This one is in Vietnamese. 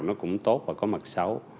nó cũng tốt và có mặt xấu